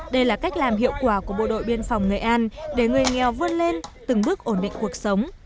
đây là cách làm hiệu quả của bộ đội biên phòng nghệ an để người nghèo vươn lên từng bước ổn định cuộc sống